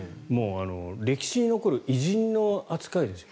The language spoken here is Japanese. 歴史に残る偉人の扱いですよ。